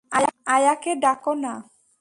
আয়াকে ডাকো না।